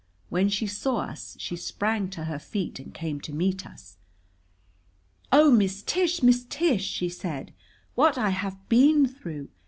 When she saw us, she sprang to her feet and came to meet us. "Oh, Miss Tish, Miss Tish!" she said. "What I have been through!